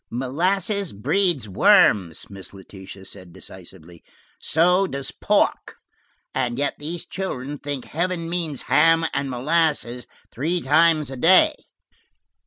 "Molasses breeds worms," Miss Letitia said decisively. "So does pork. And yet those children think Heaven means ham and molasses three times a day."